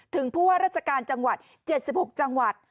ถึงผู้ว่าราชการจังหวัดเจ็ดสิบหกจังหวัด